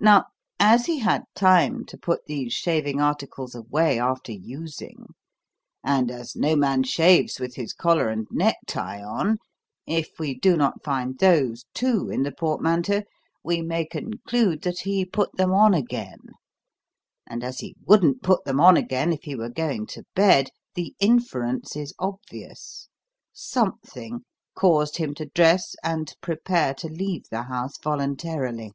Now, as he had time to put these shaving articles away after using, and as no man shaves with his collar and necktie on, if we do not find those, too, in the portmanteau, we may conclude that he put them on again; and, as he wouldn't put them on again if he were going to bed, the inference is obvious something caused him to dress and prepare to leave the house voluntarily.